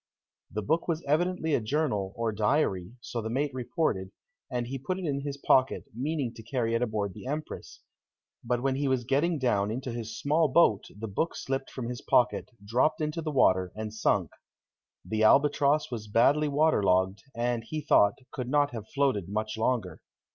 The book was evidently a journal or diary, so the mate reported, and he put it in his pocket, meaning to carry it aboard the Empress; but when he was getting down into his small boat the book slipped from his pocket, dropped into the water and sunk. The Albatross was badly water logged, and, he thought, could not have floated much longer.